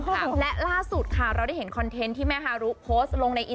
และล่าสุดค่ะเราได้เห็นคอนเทนต์ที่แม่ฮารุโพสต์ลงในอิน